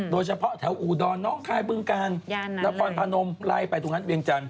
โดยเฉพาะแถวอูดรน้องคายบึงกาลนครพนมไล่ไปตรงนั้นเวียงจันท